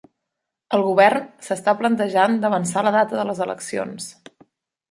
El govern s'està plantejant d'avançar la data de les eleccions